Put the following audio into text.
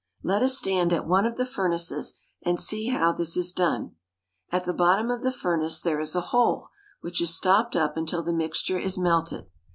Let us stand at one of the furnaces and see how this is done. At the bottom of the furnace there is a hole, which is stopped up until the mixture is melted.